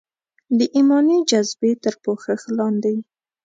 د ایماني جذبې تر پوښښ لاندې.